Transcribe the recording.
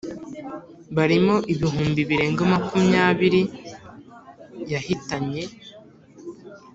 barimo ibihumbi birenga makumyabiri yahitanye.